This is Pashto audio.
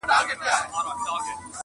مرگ موش دئ نوم پر ايښى دهقانانو٫